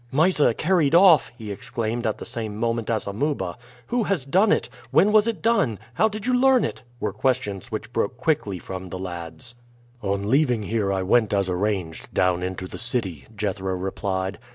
"Mysa carried off!" he exclaimed at the same moment as Amuba. "Who has done it? when was it done? how did you learn it?" were questions which broke quickly from the lads. "On leaving here I went as arranged down into the city," Jethro replied.